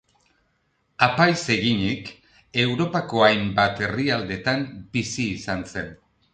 Apaiz eginik, Europako hainbat herrialdetan bizi izan zen.